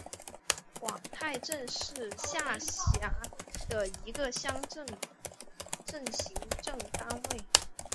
广太镇是下辖的一个乡镇级行政单位。